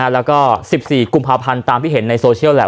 แล้วก็๑๔กุมภาพันธ์ตามที่เห็นในโซเชียลแหละ